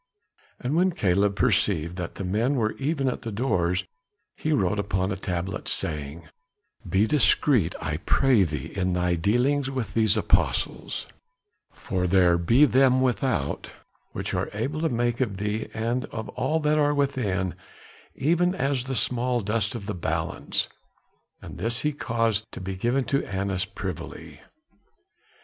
'" And when Caleb perceived that the men were even at the doors, he wrote upon a tablet, saying: "Be discreet, I pray thee, in thy dealings with these apostles, for there be them without which are able to make of thee and of all that are within, even as the small dust of the balance." And this he caused to be given to Annas privily.